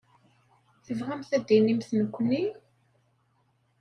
Tebɣamt ad d-tinimt nekkni?